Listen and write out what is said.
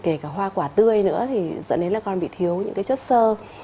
quá ít rồi kể cả hoa quả tươi nữa thì dẫn đến là con bị thiếu những cái chất sơ